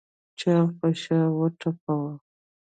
چاغ په شا وټپوه.